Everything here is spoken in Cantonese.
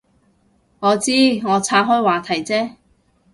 我知，我岔开话题啫